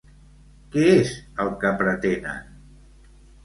Què és el que pretenen?